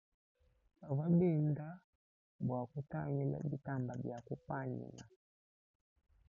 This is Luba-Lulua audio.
Bavwa benda bwa ktangila btamba bia kupanyina.